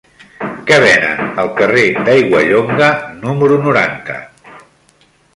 Què venen al carrer d'Aiguallonga número noranta?